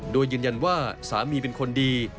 โดยยืนยันว่าสามีเป็นคนดี